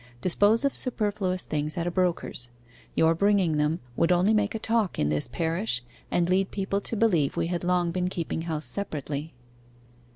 Dispose of superfluous things at a broker's; your bringing them would only make a talk in this parish, and lead people to believe we had long been keeping house separately.